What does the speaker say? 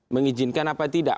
mengijinkan apa tidak